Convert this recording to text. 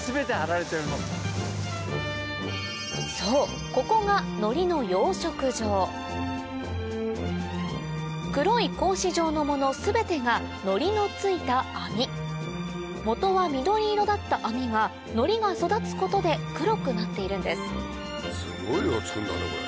そうここが黒い格子状のもの全てがのりのついた網元は緑色だった網がのりが育つことで黒くなっているんですすごい色がつくんだねこれ。